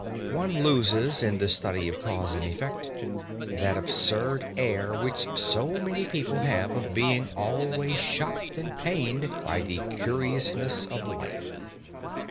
One loses, in the study of cause and effect, that absurd air which so many people have of being always shocked and pained by the curiousness of life.